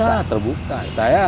iya bisa terbuka